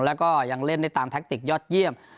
แล้วก็ยังเล่นได้ตามแท็กติกยอดเยี่ยม